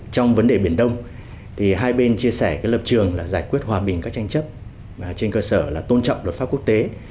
trong vấn đề biển đông hai bên chia sẻ lập trường là giải quyết hòa bình các tranh chấp trên cơ sở là tôn trọng luật pháp quốc tế